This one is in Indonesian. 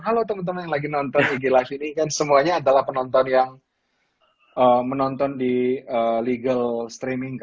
halo temen temen yang lagi nonton ig live ini kan semuanya adalah penonton yang menonton di legal streaming kan